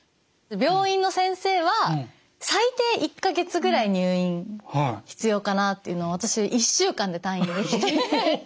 病院の先生は最低１か月ぐらい入院必要かなっていうのを私１週間で退院できて。